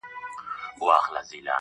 اوس د زمریو له برېتونو سره لوبي کوي!.